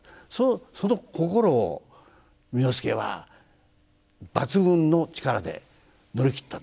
その心を簑助は抜群の力で乗り切ったんですよね。